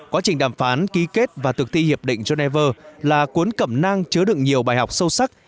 quá trình đàm phán ký kết và thực thi hiệp định geneva là cuốn cẩm năng chứa đựng nhiều bài học sâu sắc